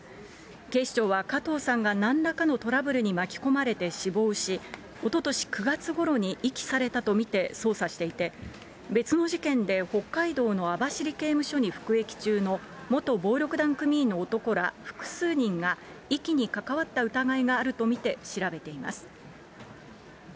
警視庁は加藤さんがなんらかのトラブルに巻き込まれて死亡し、おととし９月ごろに遺棄されたと見て捜査していて、別の事件で北海道の網走刑務所に服役中の、元暴力団組員の男ら複数人が、遺棄に関わった疑いがあると見て調べています。